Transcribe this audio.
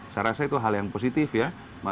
saya rasa itu hal yang positif ya